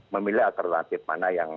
memilih alternatif mana yang